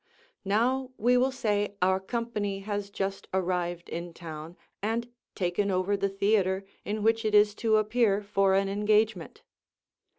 Now we will say our company has just arrived in town and taken over the theatre in which it is to appear for an engagement.